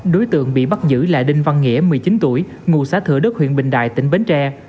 đối tượng bị bắt giữ là đinh văn nghĩa một mươi chín tuổi ngụ xã thừa đức huyện bình đại tỉnh bến tre